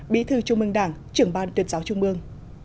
bí thư trung mương đảng trưởng ban tuyệt giáo trung mương